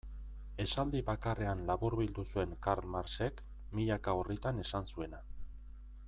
Esaldi bakarrean laburbildu zuen Karl Marxek milaka orritan esan zuena.